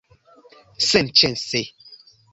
senĉese